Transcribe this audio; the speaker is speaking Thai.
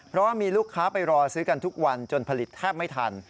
เพราะว่ามีลูกค้าไปรอซื้อกันทุกวันจนผลิตแทบไม่ทัน